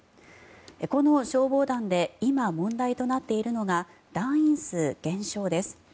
この消防団で今、問題となっているのが団員数減少です。